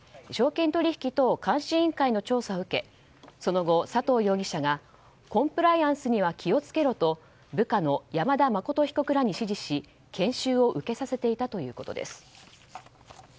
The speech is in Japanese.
証券取引等監視委員会の調査を受けその後、佐藤容疑者がコンプライアンスには気を付けろと部下の山田誠被告らに指示し研修を受けさせていたということです。